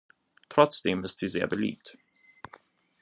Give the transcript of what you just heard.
Trotzdem ist sie sehr beliebt.